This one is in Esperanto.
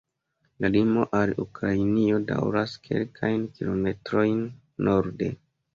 La limo al Ukrainio daŭras kelkajn kilometrojn norde.